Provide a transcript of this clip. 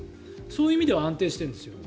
そういう意味では安定しているんですよ。